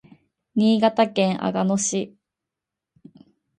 新潟県阿賀野市